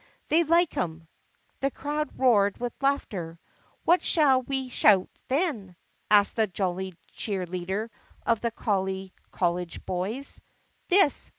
"They like 'em!" The crowd roared with laughter. "What shall we shout then?" asked the jolly cheer leader of the Collie College Boys. "This!"